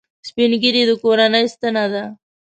سپین ږیری د کورنۍ ستنه ده